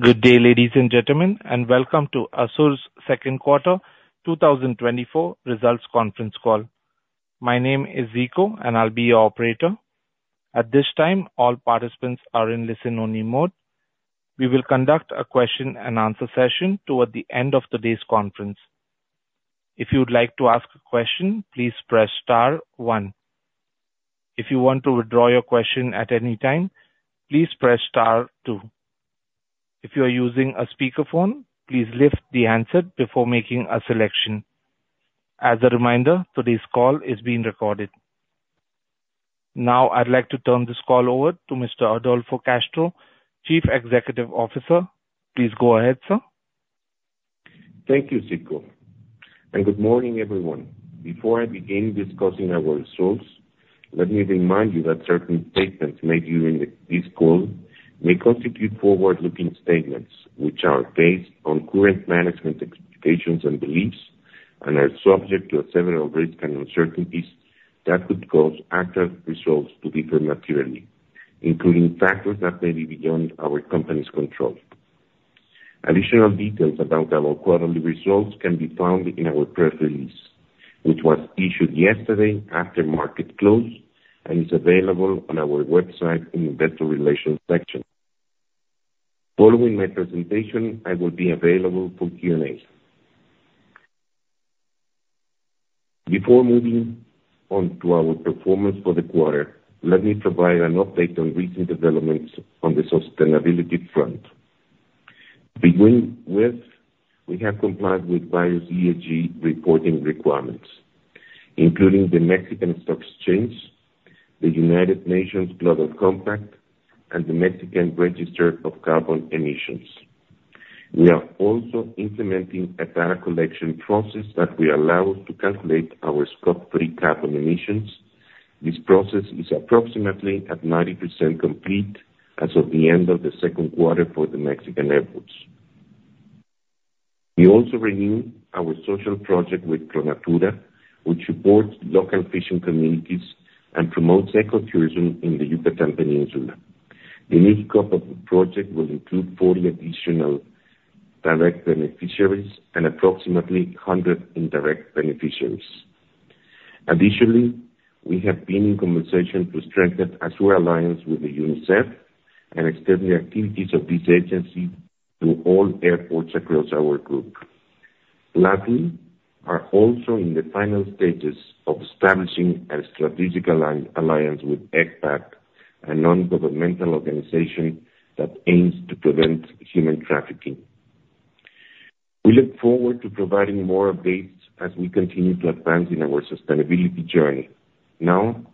Good day, ladies and gentlemen, and welcome to ASUR's Q2 2024 Results Conference Call. My name is Zico, and I'll be your operator. At this time, all participants are in listen-only mode. We will conduct a question-and-answer session toward the end of today's conference. If you would like to ask a question, please press star one. If you want to withdraw your question at any time, please press star two. If you are using a speakerphone, please lift the handset before making a selection. As a reminder, today's call is being recorded. Now, I'd like to turn this call over to Mr. Adolfo Castro, Chief Executive Officer. Please go ahead, sir. Thank you, Zico. Good morning, everyone. Before I begin discussing our results, let me remind you that certain statements made during this call may constitute forward-looking statements which are based on current management expectations and beliefs and are subject to several risks and uncertainties that could cause actual results to differ materially, including factors that may be beyond our company's control. Additional details about our quarterly results can be found in our press release, which was issued yesterday after market close and is available on our website in the investor relations section. Following my presentation, I will be available for Q&A. Before moving on to our performance for the quarter, let me provide an update on recent developments on the sustainability front. Beginning with, we have complied with various ESG reporting requirements, including the Mexican Stock Exchange, the United Nations Global Compact, and the Mexican Register of Carbon Emissions. We are also implementing a data collection process that will allow us to calculate our Scope 3 carbon emissions. This process is approximately at 90% complete as of the end of the Q2 for the Mexican efforts. We also renewed our social project with Pro-Natura, which supports local fishing communities and promotes ecotourism in the Yucatán Peninsula. The new scope of the project will include 40 additional direct beneficiaries and approximately 100 indirect beneficiaries. Additionally, we have been in conversation to strengthen ASUR Alliance with the UNICEF and extend the activities of this agency to all airports across our group. Lastly, we are also in the final stages of establishing a strategic alliance with ECPAT, a non-governmental organization that aims to prevent human trafficking. We look forward to providing more updates as we continue to advance in our sustainability journey. Now,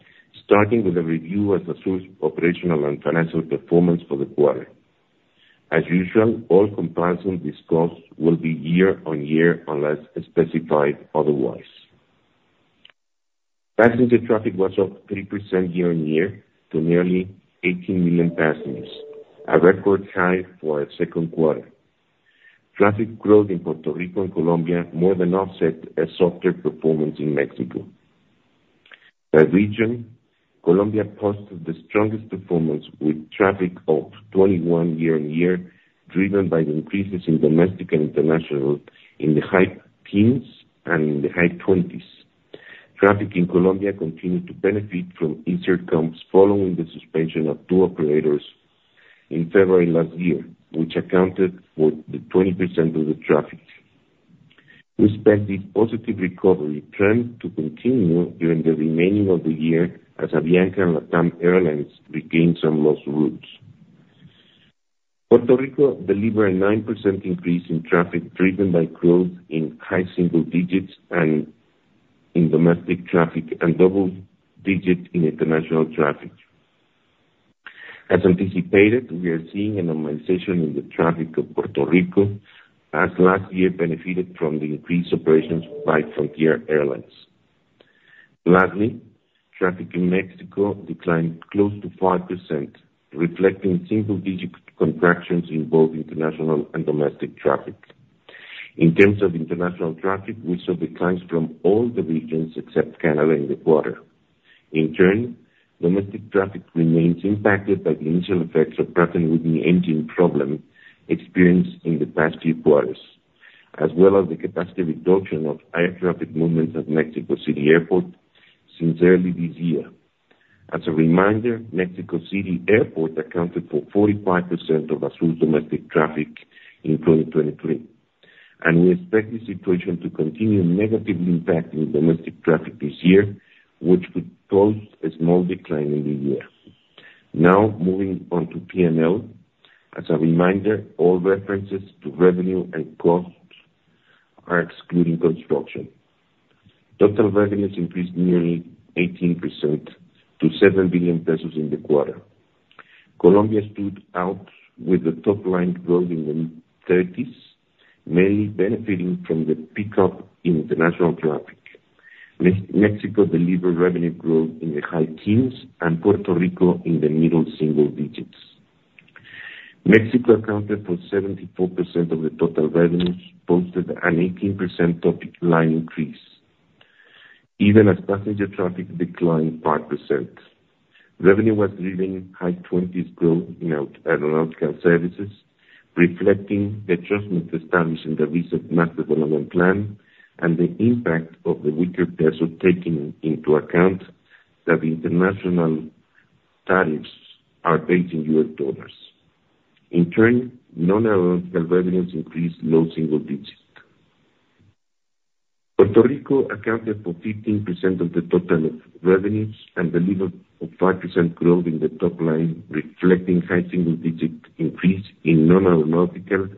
starting with a review of ASUR's operational and financial performance for the quarter. As usual, all comparisons and disclosures will be year-on-year unless specified otherwise. Passenger traffic was up 3% year-on-year to nearly 18 million passengers, a record high for the Q2. Traffic growth in Puerto Rico and Colombia more than offset a softer performance in Mexico. By region, Colombia posted the strongest performance with traffic up 21% year-on-year, driven by the increases in domestic and international in the high teens and in the high 20s. Traffic in Colombia continued to benefit from easier comps following the suspension of two operators in February last year, which accounted for 20% of the traffic. We expect this positive recovery trend to continue during the remainder of the year as Avianca and LATAM Airlines regain some lost routes. Puerto Rico delivered a 9% increase in traffic driven by growth in high single digits in domestic traffic and double digits in international traffic. As anticipated, we are seeing a normalization in the traffic of Puerto Rico, as last year benefited from the increased operations by Frontier Airlines. Lastly, traffic in Mexico declined close to 5%, reflecting single-digit contractions in both international and domestic traffic. In terms of international traffic, we saw declines from all the regions except Canada in the quarter. In turn, domestic traffic remains impacted by the initial effects of the Pratt & Whitney engine problem experienced in the past few quarters, as well as the capacity reduction of air traffic movements at Mexico City Airport since early this year. As a reminder, Mexico City Airport accounted for 45% of ASUR's domestic traffic in 2023, and we expect this situation to continue negatively impacting domestic traffic this year, which could cause a small decline in the year. Now, moving on to P&L. As a reminder, all references to revenue and cost are excluding construction. Total revenues increased nearly 18% to 7 billion pesos in the quarter. Colombia stood out with a top-line growth in the 30s%, mainly benefiting from the pickup in international traffic. Mexico delivered revenue growth in the high teens% and Puerto Rico in the middle single digits. Mexico accounted for 74% of the total revenues, posted an 18% top-line increase, even as passenger traffic declined 5%. Revenue was driven by high-20s growth in aeronautical services, reflecting the adjustment established in the recent Master Development Plan and the impact of the weaker peso, taking into account that international tariffs are based in US dollars. In turn, non-aeronautical revenues increased low-single-digits. Puerto Rico accounted for 15% of the total revenues and delivered a 5% growth in the top-line, reflecting a high-single-digit increase in non-aeronautical,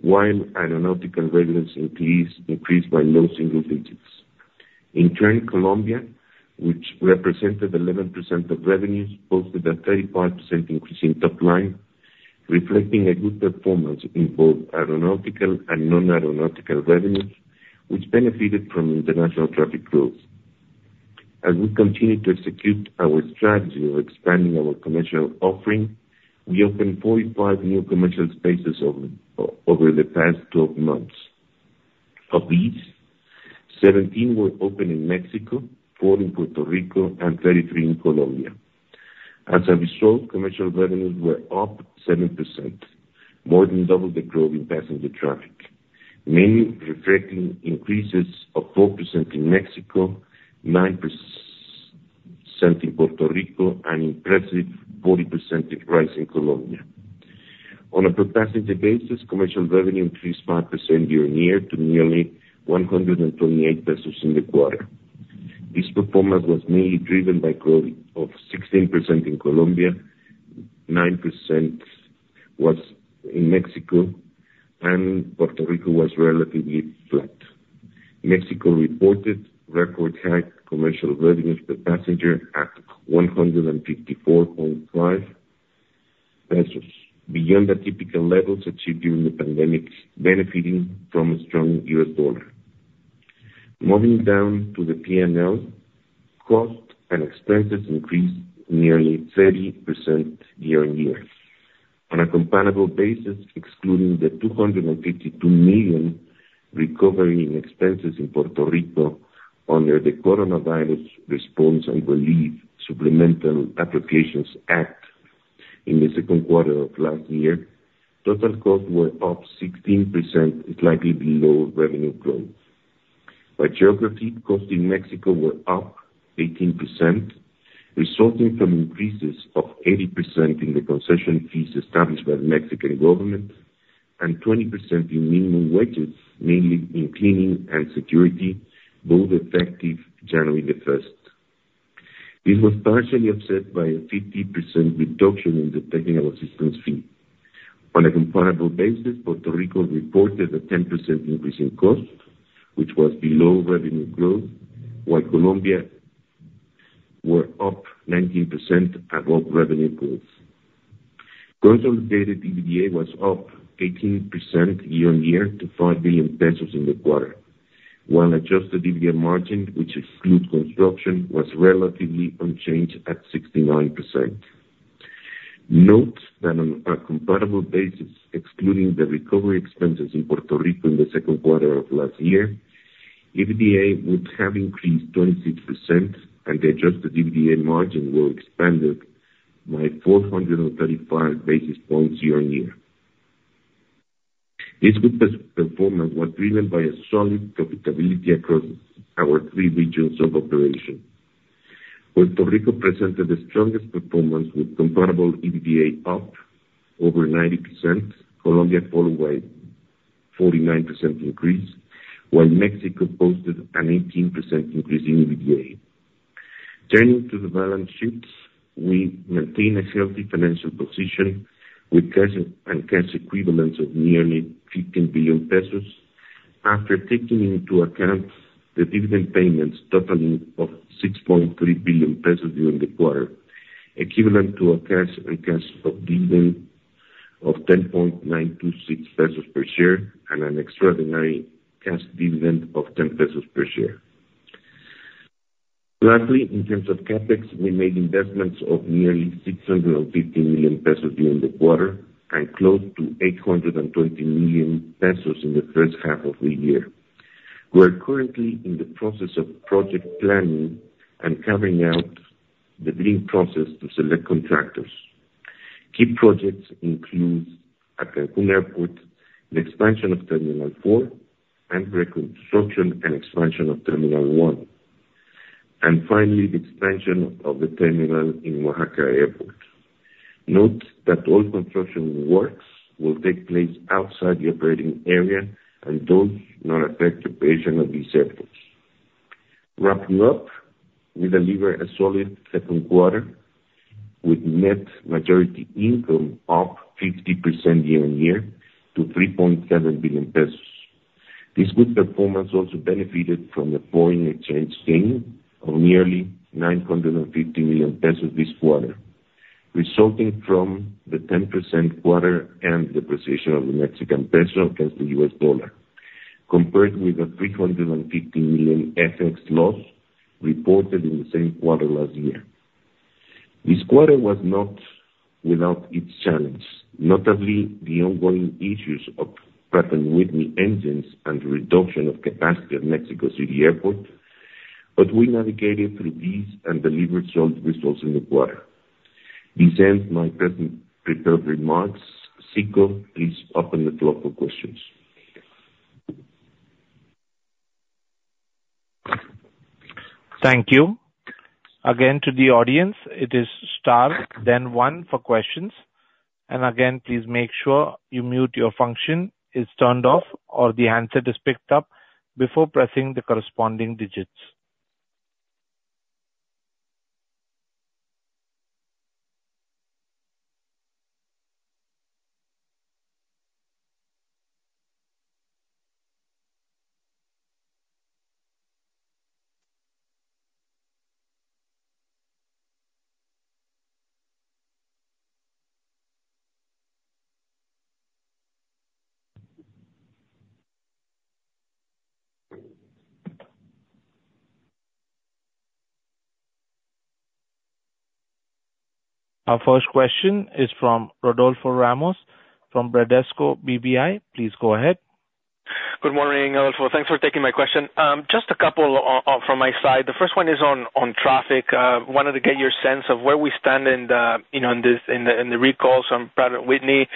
while aeronautical revenues increased by low-single-digits. In turn, Colombia, which represented 11% of revenues, posted a 35% increase in top-line, reflecting a good performance in both aeronautical and non-aeronautical revenues, which benefited from international traffic growth. As we continue to execute our strategy of expanding our commercial offering, we opened 45 new commercial spaces over the past 12 months. Of these, 17 were opened in Mexico, four in Puerto Rico, and 33 in Colombia. As a result, commercial revenues were up 7%, more than double the growth in passenger traffic, mainly reflecting increases of 4% in Mexico, 9% in Puerto Rico, and an impressive 40% rise in Colombia. On a per-passenger basis, commercial revenue increased 5% year-on-year to nearly 128 pesos in the quarter. This performance was mainly driven by growth of 16% in Colombia, 9% in Mexico, and Puerto Rico was relatively flat. Mexico reported record-high commercial revenues per passenger at 154.5 pesos, beyond the typical levels achieved during the pandemic, benefiting from a strong US dollar. Moving down to the P&L, costs and expenses increased nearly 30% year-on-year. On a comparable basis, excluding the 252 million recovery in expenses in Puerto Rico under the Coronavirus Response and Relief Supplemental Applications Act in the Q2 of last year, total costs were up 16%, slightly below revenue growth. By geography, costs in Mexico were up 18%, resulting from increases of 80% in the concession fees established by the Mexican government and 20% in minimum wages, mainly in cleaning and security, both effective 1 January 2024. This was partially offset by a 50% reduction in the technical assistance fee. On a comparable basis, Puerto Rico reported a 10% increase in costs, which was below revenue growth, while Colombia were up 19% above revenue growth. Consolidated EBITDA was up 18% year-on-year to 5 billion pesos in the quarter, while adjusted EBITDA margin, which excludes construction, was relatively unchanged at 69%. Note that on a comparable basis, excluding the recovery expenses in Puerto Rico in the Q2 of last year, EBITDA would have increased 26%, and the Adjusted EBITDA margin were expanded by 435 basis points year-on-year. This good performance was driven by a solid profitability across our three regions of operation. Puerto Rico presented the strongest performance with comparable EBITDA up over 90%, Colombia followed by a 49% increase, while Mexico posted an 18% increase in EBITDA. Turning to the balance sheets, we maintain a healthy financial position with cash and cash equivalents of nearly 15 billion pesos after taking into account the dividend payments totaling 6.3 billion pesos during the quarter, equivalent to a cash and cash equivalent of 10.926 pesos per share and an extraordinary cash dividend of 10 pesos per share. Lastly, in terms of CapEx, we made investments of nearly 650 million pesos during the quarter and close to 820 million pesos in the first half of the year. We are currently in the process of project planning and carrying out the bidding process to select contractors. Key projects include Cancún Airport, the expansion of Terminal four, and reconstruction and expansion of Terminal one, and finally, the expansion of the terminal in Oaxaca Airport. Note that all construction works will take place outside the operating area and those not affected by regional reserves. Wrapping up, we delivered a solid Q2 with net income up 50% year-on-year to 3.7 billion pesos. This good performance also benefited from the foreign exchange gain of nearly 950 million pesos this quarter, resulting from the 10% quarter and the appreciation of the Mexican peso against the US dollar, compared with the 350 million FX loss reported in the same quarter last year. This quarter was not without its challenges, notably the ongoing issues of GTF engines and the reduction of capacity at Mexico City Airport, but we navigated through these and delivered solid results in the quarter. This ends my present prepared remarks. Zico, please open the floor for questions. Thank you. Again, to the audience, it is star, then one for questions. And again, please make sure your mute function is turned off or the answer is picked up before pressing the corresponding digits. Our first question is from Rodolfo Ramos from Bradesco BBI. Please go ahead. Good morning, Adolfo. Thanks for taking my question. Just a couple from my side. The first one is on traffic. Wanted to get your sense of where we stand in the recalls. Pratt & Whitney.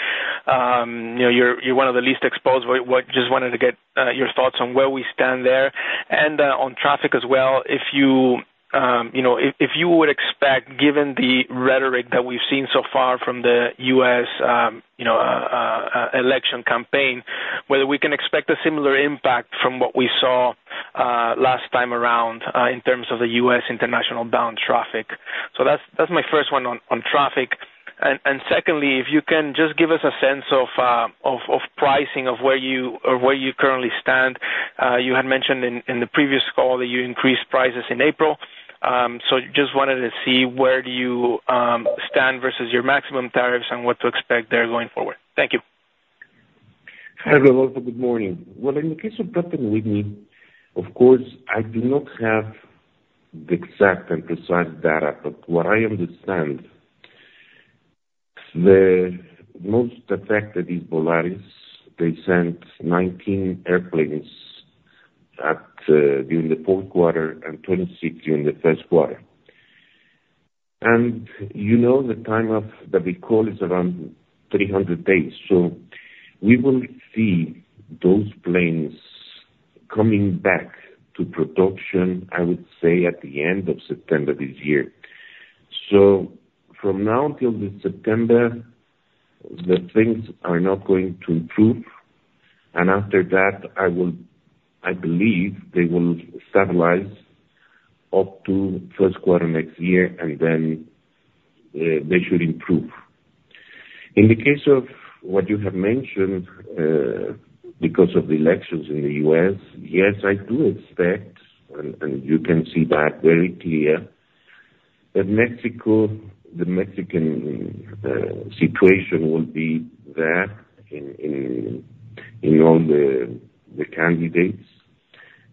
You're one of the least exposed. Just wanted to get your thoughts on where we stand there and on traffic as well. If you would expect, given the rhetoric that we've seen so far from the US election campaign, whether we can expect a similar impact from what we saw last time around in terms of the US International Bound Traffic. So that's my first one on traffic. And secondly, if you can just give us a sense of pricing of where you currently stand. You had mentioned in the previous call that you increased prices in April. Just wanted to see where do you stand versus your maximum tariffs and what to expect there going forward. Thank you. Hello, Adolfo. Good morning. Well, in the case of the GTF engine, of course, I do not have the exact and precise data, but what I understand, the most affected is Volaris. They sent 19 airplanes during the Q4 and 26 during the Q1. And you know the time of the recall is around 300 days. So we will see those planes coming back to production, I would say, at the end of September this year. So from now until September, the things are not going to improve. And after that, I believe they will stabilize up to Q1 next year, and then they should improve. In the case of what you have mentioned, because of the elections in the US, yes, I do expect, and you can see that very clear, that Mexico, the Mexican situation will be there in all the candidates,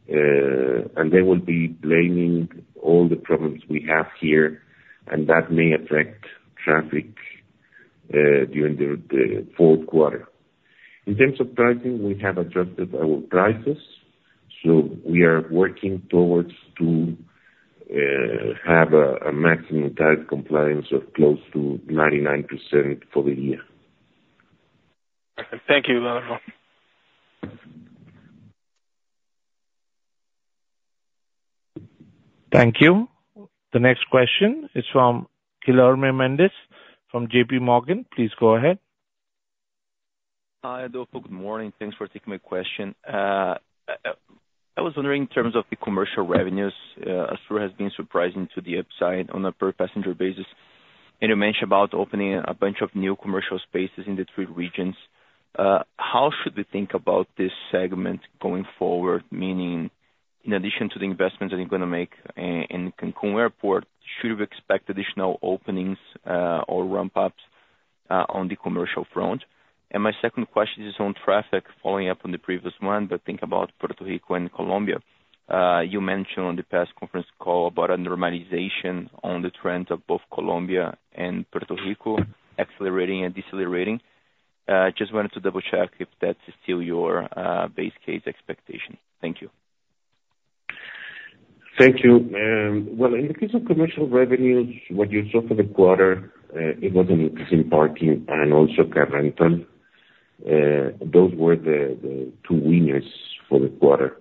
and they will be blaming all the problems we have here, and that may affect traffic during the Q4. In terms of pricing, we have adjusted our prices, so we are working towards to have a maximum tariff compliance of close to 99% for the year. Thank you, Adolfo. Thank you. The next question is from Guilherme Mendes from JPMorgan. Please go ahead. Hi, Adolfo. Good morning. Thanks for taking my question. I was wondering in terms of the commercial revenues. ASUR has been surprising to the upside on a per-passenger basis. And you mentioned about opening a bunch of new commercial spaces in the three regions. How should we think about this segment going forward? Meaning, in addition to the investments that you're going to make in Cancún Airport, should we expect additional openings or ramp-ups on the commercial front? And my second question is on traffic, following up on the previous one, but think about Puerto Rico and Colombia. You mentioned on the past conference call about a normalization on the trend of both Colombia and Puerto Rico accelerating and decelerating. Just wanted to double-check if that's still your base case expectation. Thank you. Thank you. Well, in the case of commercial revenues, what you saw for the quarter, it was increasing parking and also car rental. Those were the two winners for the quarter.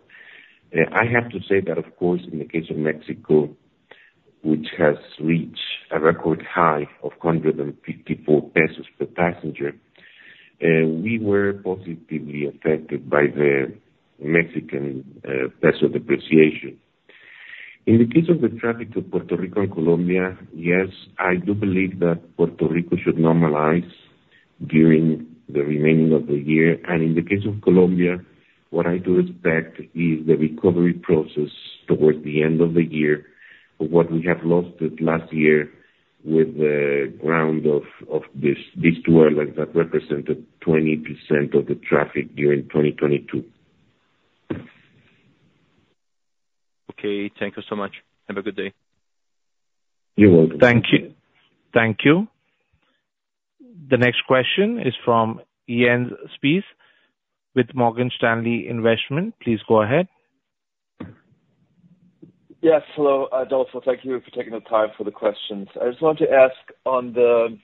I have to say that, of course, in the case of Mexico, which has reached a record high of 154 pesos per passenger, we were positively affected by the Mexican peso depreciation. In the case of the traffic to Puerto Rico and Colombia, yes, I do believe that Puerto Rico should normalize during the remaining of the year. And in the case of Colombia, what I do expect is the recovery process towards the end of the year for what we have lost last year with the grounding of these two airlines that represented 20% of the traffic during 2022. Okay. Thank you so much. Have a good day. You're welcome. Thank you. Thank you. The next question is from Jens Spiess with Morgan Stanley. Please go ahead. Yes. Hello, Adolfo. Thank you for taking the time for the questions. I just wanted to ask on the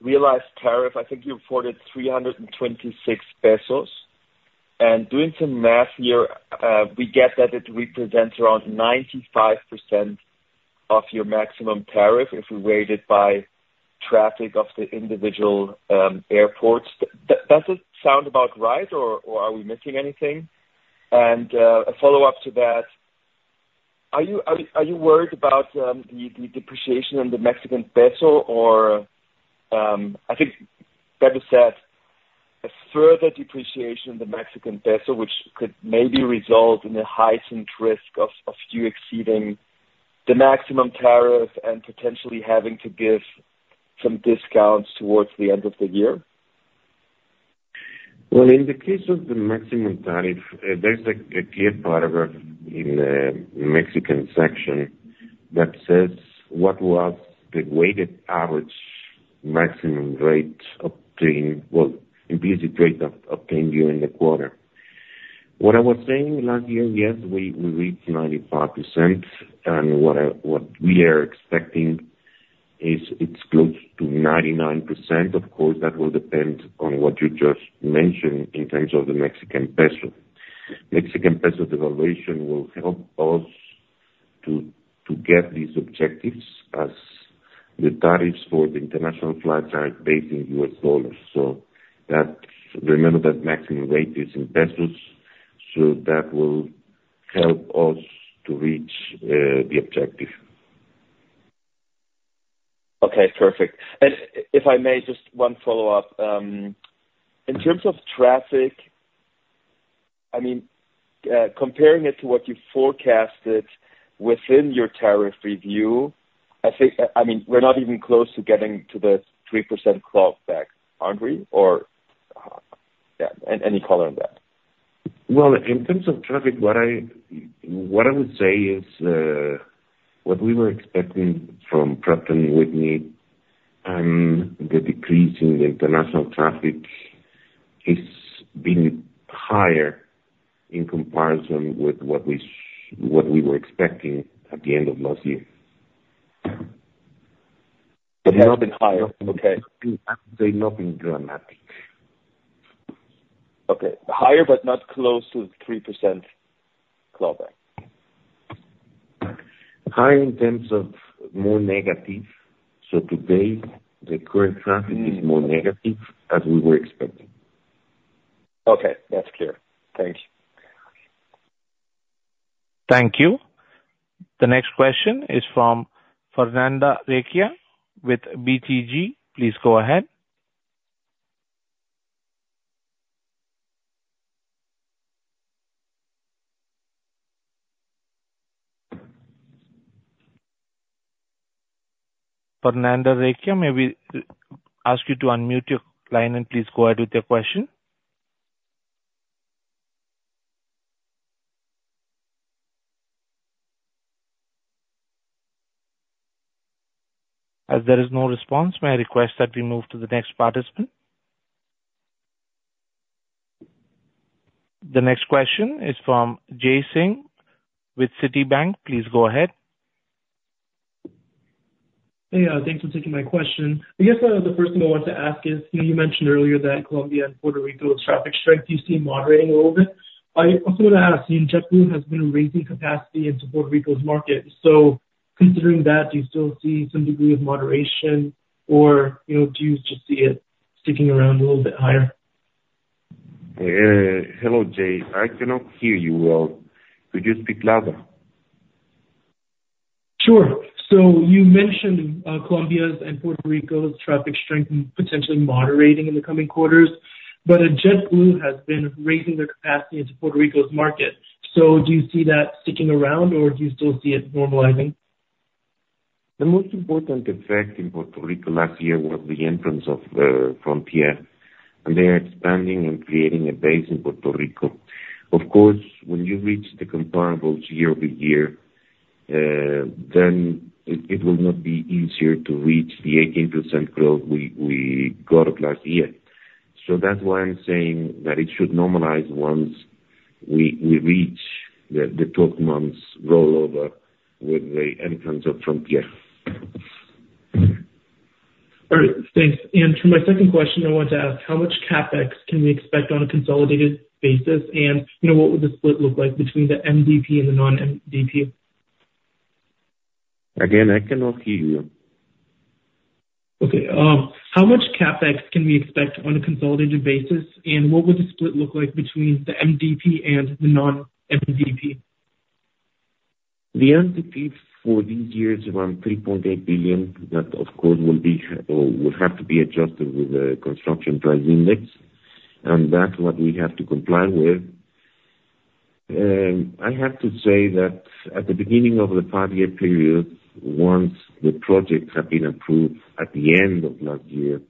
realized tariff. I think you reported 326 pesos. And doing some math here, we get that it represents around 95% of your maximum tariff if we weigh it by traffic of the individual airports. Does it sound about right, or are we missing anything? And a follow-up to that, are you worried about the depreciation in the Mexican peso or, I think, better said, a further depreciation in the Mexican peso, which could maybe result in a heightened risk of you exceeding the maximum tariff and potentially having to give some discounts towards the end of the year? Well, in the case of the maximum tariff, there's a clear paragraph in the Mexican section that says what was the weighted average maximum rate obtained, well, implicit rate obtained during the quarter. What I was saying last year, yes, we reached 95%, and what we are expecting is it's close to 99%. Of course, that will depend on what you just mentioned in terms of the Mexican peso. Mexican peso devaluation will help us to get these objectives as the tariffs for the international flights are based in US dollars. So remember that maximum rate is in pesos, so that will help us to reach the objective. Okay. Perfect. If I may, just one follow-up. In terms of traffic, I mean, comparing it to what you forecasted within your tariff review, I mean, we're not even close to getting to the 3% cap back, aren't we? Or any color on that? Well, in terms of traffic, what I would say is what we were expecting from Pratt & Whitney. The decrease in the international traffic has been higher in comparison with what we were expecting at the end of last year. But not in higher. Okay. I would say nothing dramatic. Okay. Higher, but not close to the 3% cap back. Higher in terms of more negative. Today, the current traffic is more negative as we were expecting. Okay. That's clear. Thank you. Thank you. The next question is from Fernanda Recchia with BTG. Please go ahead. Fernanda Recchia, may we ask you to unmute your line and please go ahead with your question? As there is no response, may I request that we move to the next participant? The next question is from Jay Singh with Citibank. Please go ahead. Hey, thanks for taking my question. I guess the first thing I wanted to ask is you mentioned earlier that Colombia and Puerto Rico's traffic strength you see moderating a little bit. I also want to ask, JetBlue has been raising capacity into Puerto Rico's market. So considering that, do you still see some degree of moderation, or do you just see it sticking around a little bit higher? Hello, Jay. I cannot hear you well. Could you speak louder? Sure. So you mentioned Colombia's and Puerto Rico's traffic strength potentially moderating in the coming quarters, but JetBlue has been raising their capacity into Puerto Rico's market. So do you see that sticking around, or do you still see it normalizing? The most important effect in Puerto Rico last year was the entrance of Frontier, and they are expanding and creating a base in Puerto Rico. Of course, when you reach the comparable year-over-year, then it will not be easier to reach the 18% growth we got last year. So that's why I'm saying that it should normalize once we reach the 12-month rollover with the entrance of Frontier. All right. Thanks. And for my second question, I wanted to ask, how much CapEx can we expect on a consolidated basis, and what would the split look like between the MDP and the non-MDP? Again, I cannot hear you. Okay. How much CapEx can we expect on a consolidated basis, and what would the split look like between the MDP and the non-MDP? The MDP for these years is around 3.8 billion that, of course, will have to be adjusted with the construction price index, and that's what we have to comply with. I have to say that at the beginning of the five-year period, once the projects have been approved at the end of last year,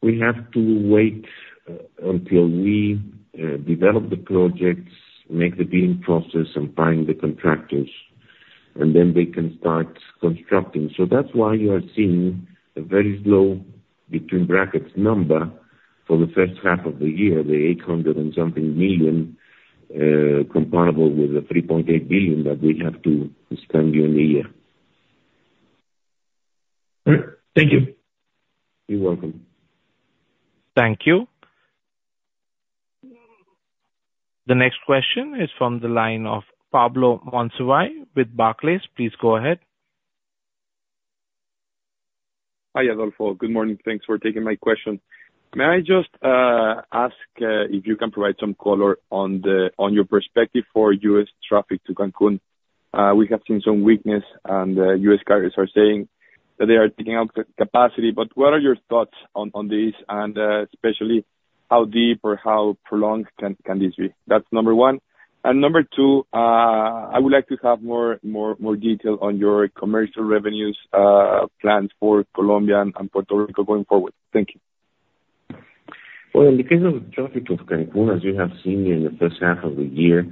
we have to wait until we develop the projects, make the bidding process, and find the contractors, and then they can start constructing. So that's why you are seeing a very slow, between brackets, number for the first half of the year, the 800-and-something million comparable with the 3.8 billion that we have to spend during the year. All right. Thank you. You're welcome. Thank you. The next question is from the line of Pablo Monsivais with Barclays. Please go ahead. Hi, Adolfo. Good morning. Thanks for taking my question. May I just ask if you can provide some color on your perspective for US traffic to Cancún? We have seen some weakness, and US carriers are saying that they are taking out capacity. But what are your thoughts on this, and especially how deep or how prolonged can this be? That's number one. And number two, I would like to have more detail on your commercial revenues planned for Colombia and Puerto Rico going forward. Thank you. Well, in the case of the traffic to Cancún, as you have seen in the first half of the year,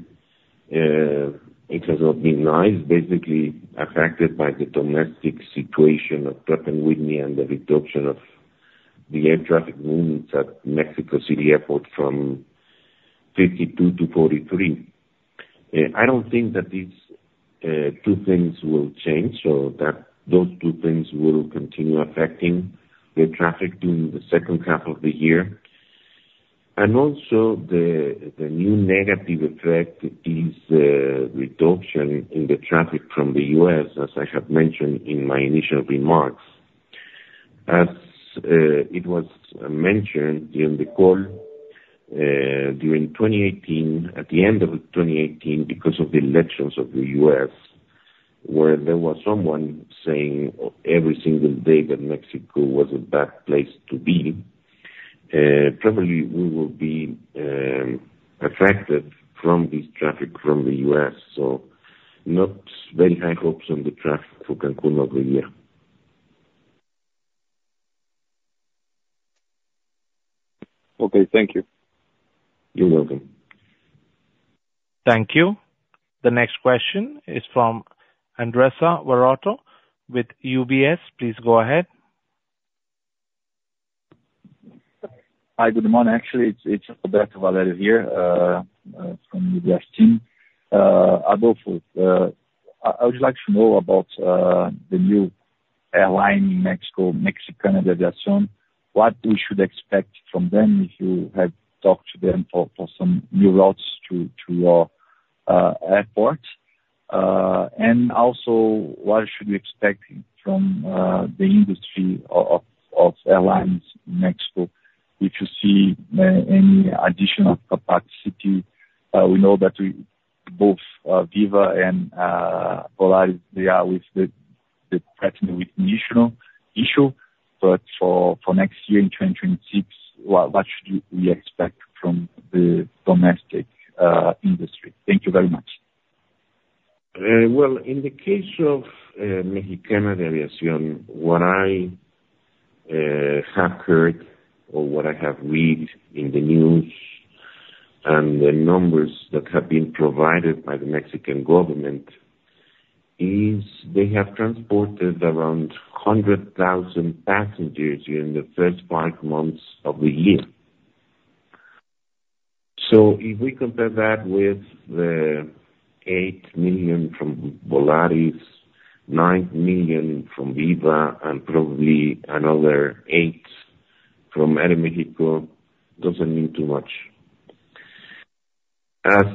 it has not been nice. Basically affected by the domestic situation of GTF engine and the reduction of the air traffic movements at Mexico City Airport from 52 to 43. I don't think that these two things will change, so those two things will continue affecting the traffic during the second half of the year. And also, the new negative effect is the reduction in the traffic from the US, as I have mentioned in my initial remarks. As it was mentioned during the call, during 2018, at the end of 2018, because of the elections of the US, where there was someone saying every single day that Mexico was a bad place to be, probably we will be affected from this traffic from the US. Not very high hopes on the traffic for Cancún over here. Okay. Thank you. You're welcome. Thank you. The next question is from Andressa Varotto with UBS. Please go ahead. Hi, good morning. Actually, it's Alberto Valerio here from the UBS team. I would like to know about the new airline in Mexico, Mexicana de Aviación, what we should expect from them if you have talked to them for some new routes to your airport. Also, what should we expect from the industry of airlines in Mexico if you see any additional capacity? We know that both Viva and Volaris, they are threatened with engine issue, but for next year, in 2026, what should we expect from the domestic industry? Thank you very much. Well, in the case of Mexicana de Aviación, what I have heard or what I have read in the news and the numbers that have been provided by the Mexican government is they have transported around 100,000 passengers during the first five months of the year. So if we compare that with the 8 million from Volaris, 9 million from Viva, and probably another 8 from Aeroméxico, it doesn't mean too much. As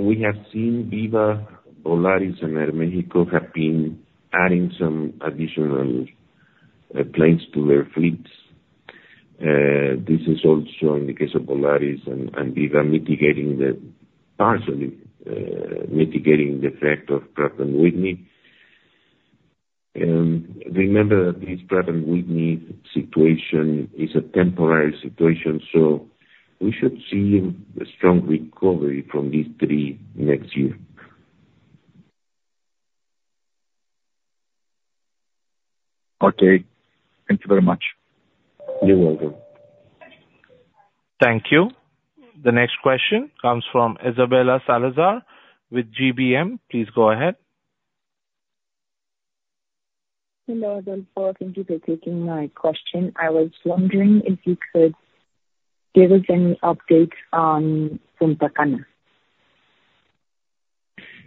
we have seen, Viva, Volaris, and Aeroméxico have been adding some additional planes to their fleets. This is also in the case of Volaris and Viva partially mitigating the effect of GTF. Remember that this GTF situation is a temporary situation, so we should see a strong recovery from these three next year. Okay. Thank you very much. You're welcome. Thank you. The next question comes from Isabela Salazar with GBM. Please go ahead. Hello, Adolfo. Thank you for taking my question. I was wondering if you could give us any updates on Punta Cana.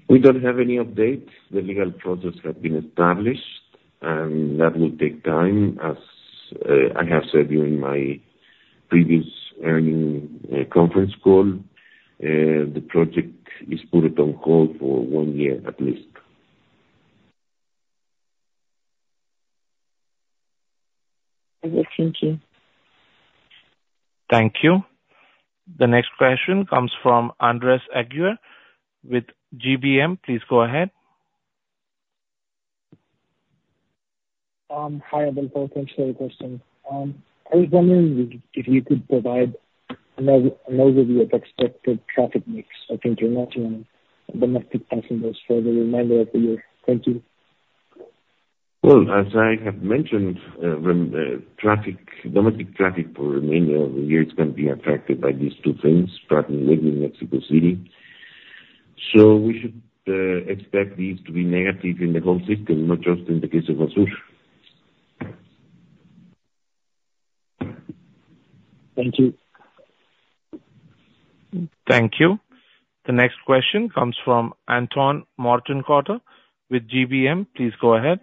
We don't have any updates. The legal process has been established, and that will take time. As I have said during my previous conference call, the project is put on hold for one year at least. Okay. Thank you. Thank you. The next question comes from Andres Aguirre with GBM. Please go ahead. Hi, Adolfo. Thanks for the question. I was wondering if you could provide an overview of expected traffic mix of international and domestic passengers for the remainder of the year. Thank you. Well, as I have mentioned, domestic traffic for the remainder of the year is going to be affected by these two things: Pratt & Whitney, Mexico City. So we should expect these to be negative in the whole system, not just in the case of Azul. Thank you. Thank you. The next question comes from Anton Marc with GBM. Please go ahead.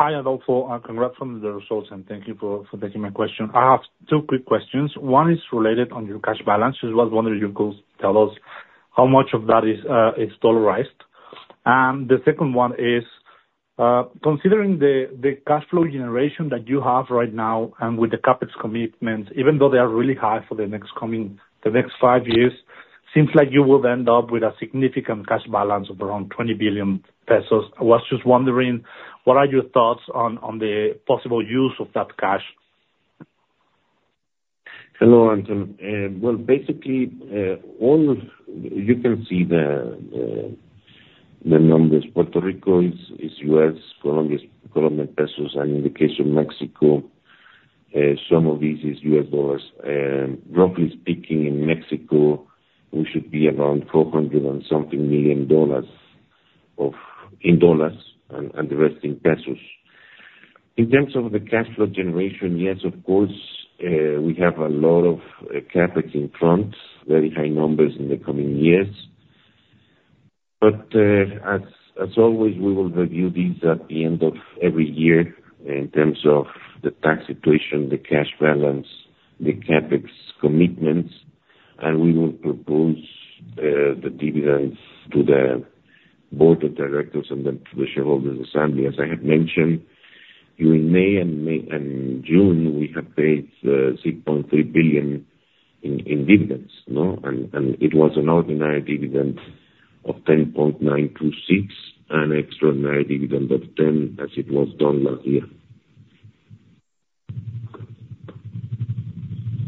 Hi, Adolfo. Congrats on the results, and thank you for taking my question. I have two quick questions. One is related to your cash balance. I was wondering if you could tell us how much of that is dollarized. And the second one is, considering the cash flow generation that you have right now and with the CapEx commitments, even though they are really high for the next five years, it seems like you will end up with a significant cash balance of around 20 billion pesos. I was just wondering, what are your thoughts on the possible use of that cash? Hello, Anton. Well, basically, you can see the numbers. Puerto Rico is US, Colombia is Colombian pesos, and in the case of Mexico, some of these is US dollars. Roughly speaking, in Mexico, we should be around $400-and-something million in dollars and the rest in pesos. In terms of the cash flow generation, yes, of course, we have a lot of CapEx in front, very high numbers in the coming years. But as always, we will review these at the end of every year in terms of the tax situation, the cash balance, the CapEx commitments, and we will propose the dividends to the board of directors and then to the shareholders' assembly. As I have mentioned, during May and June, we have paid 6.3 billion in dividends, and it was an ordinary dividend of 10.926 and an extraordinary dividend of 10 as it was done last year.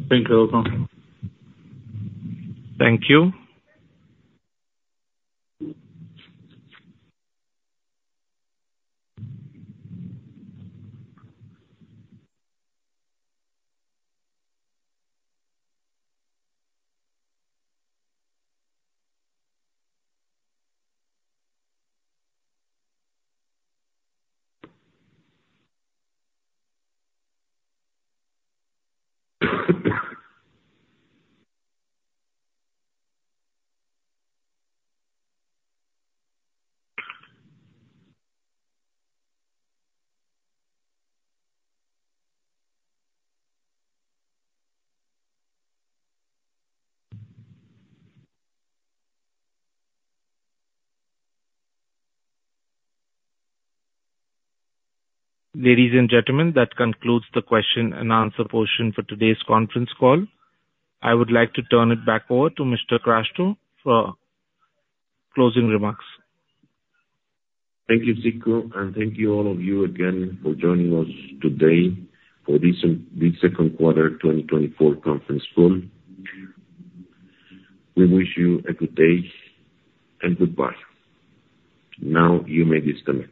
Thank you, Adolfo. Thank you. Ladies and gentlemen, that concludes the question-and-answer portion for today's conference call. I would like to turn it back over to Mr. Castro for closing remarks. Thank you, Zico, and thank you all of you again for joining us today for this Q2 2024 conference call. We wish you a good day and goodbye. Now you may disconnect.